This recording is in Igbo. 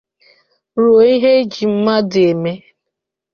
ruo ihe e ji mmadụ eme